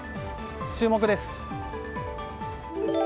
注目です。